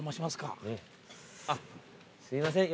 あっすいません